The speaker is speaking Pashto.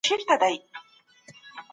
دا هغه نفوذ دی چي مذهب په خلګو درلود.